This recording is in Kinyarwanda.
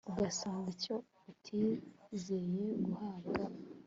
ugasaba icyo utizeye guhabwa